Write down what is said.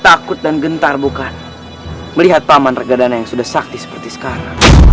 takut dan gentar bukan melihat taman regadana yang sudah sakti seperti sekarang